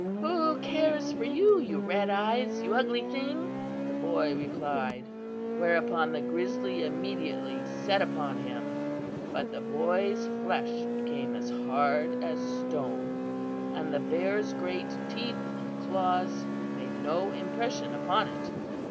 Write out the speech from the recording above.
"'Who cares for you, you red eyes, you ugly thing!' the boy replied; whereupon the grizzly immediately set upon him. "But the boy's flesh became as hard as stone, and the bear's great teeth and claws made no impression upon it.